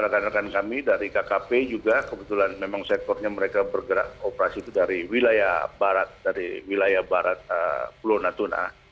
rekan rekan kami dari kkp juga kebetulan memang sektornya mereka bergerak operasi itu dari wilayah barat dari wilayah barat pulau natuna